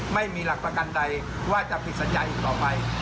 ไม่มีหลักประกันใดว่าจะผิดสัญญาอีกต่อไป